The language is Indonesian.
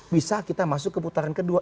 bisa kita masuk ke putaran kedua